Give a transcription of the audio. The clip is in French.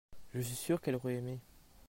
je suis sûr qu'elle aurait aimé.